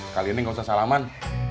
kalian nih gak usah salaman